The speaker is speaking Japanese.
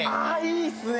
いいっすね。